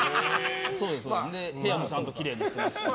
部屋もちゃんときれいにしていますし。